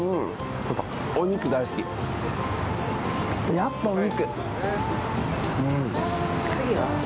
やっぱお肉。